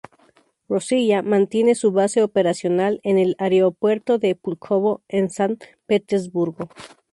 Rossiya mantiene su base operacional en el Aeropuerto de Púlkovo en San Petersburgo.